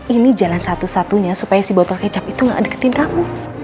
ini jalan satu satunya supaya si botol kecap itu gak deketin kamu